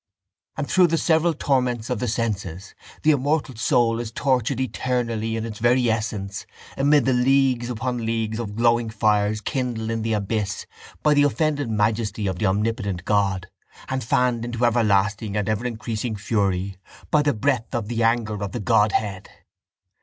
And through the several torments of the senses the immortal soul is tortured eternally in its very essence amid the leagues upon leagues of glowing fires kindled in the abyss by the offended majesty of the Omnipotent God and fanned into everlasting and ever increasing fury by the breath of the anger of the Godhead.